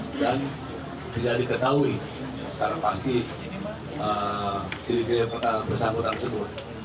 dan tidak diketahui secara pasti ciri ciri bersangkutan tersebut